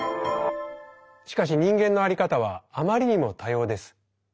しかし人間のあり方はあまりにも多様です。